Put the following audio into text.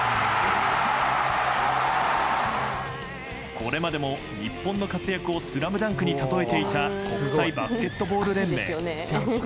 これまでも日本の活躍を「ＳＬＡＭＤＵＮＫ」に例えていた国際バスケットボール連盟。